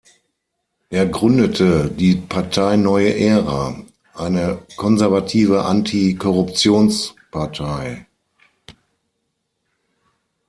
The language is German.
Er gründete die Partei Neue Ära, eine konservative Anti-Korruptions-Partei.